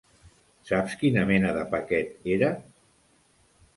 Saps quina mena de paquet era?